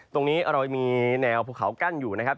ตรงนี้เรามีแนวภูเขากั้นอยู่นะครับ